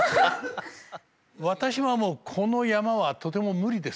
私はもうこの山はとても無理です。